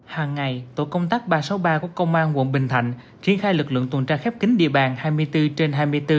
hàng ngày tổ công tác ba trăm sáu mươi ba của công an quận bình thạnh triển khai lực lượng tuần tra khép kính địa bàn hai mươi bốn trên hai mươi bốn